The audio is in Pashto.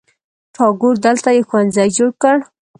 ټاګور دلته یو ښوونځي جوړ کړ.